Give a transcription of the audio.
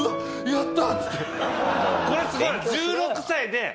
１６歳で。